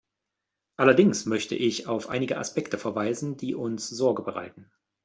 Allerdings möchte ich auf einige Aspekte verweisen, die uns Sorge bereiten.